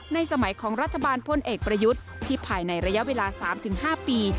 สมัยของรัฐบาลพลเอกประยุทธ์ที่ภายในระยะเวลา๓๕ปี